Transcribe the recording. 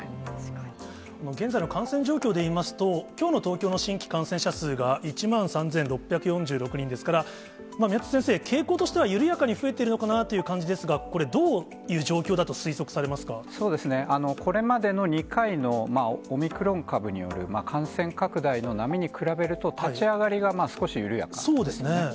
現在の感染状況でいいますと、きょうの東京の新規感染者数が１万３６４６人ですから、宮田先生、傾向としては緩やかに増えているのかなという感じですが、これ、そうですね、これまでの２回のオミクロン株による感染拡大の波に比べると、そうですね。